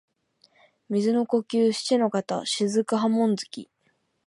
水の呼吸漆ノ型雫波紋突き（しちのかたしずくはもんづき）